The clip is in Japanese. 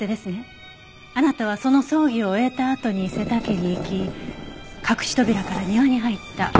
あなたはその葬儀を終えたあとに瀬田家に行き隠し扉から庭に入った。